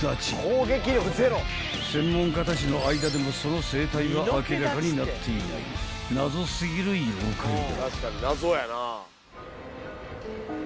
［専門家たちの間でもその生態は明らかになっていない謎過ぎる妖怪だ］